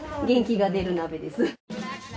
元気が出る鍋です。